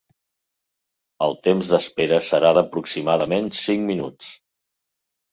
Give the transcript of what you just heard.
El temps d'espera serà d'aproximadament cinc minuts.